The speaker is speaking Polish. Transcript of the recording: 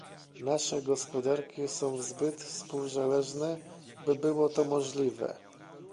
Nasze gospodarki są zbyt współzależne, by było to możliwe